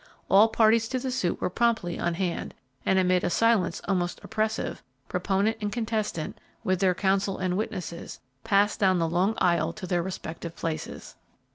All parties to the suit were promptly on hand, and amid a silence almost oppressive, proponent and contestant, with their counsel and witnesses, passed down the long aisle to their respective places.